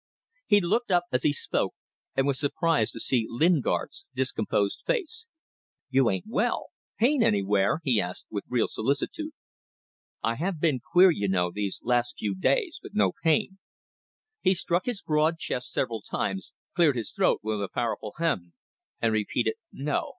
He looked up as he spoke and was surprised to see Lingard's discomposed face. "You ain't well. Pain anywhere?" he asked, with real solicitude. "I have been queer you know these last few days, but no pain." He struck his broad chest several times, cleared his throat with a powerful "Hem!" and repeated: "No.